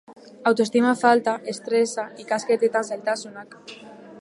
Autoestima falta, estresa, ikasketetan zailtasunak.